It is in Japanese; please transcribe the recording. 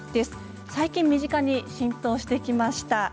最近、身近に浸透してきました